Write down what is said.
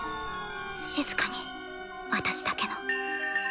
静かに私だけの。